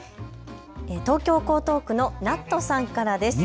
東京江東区のＮａｔさんからです。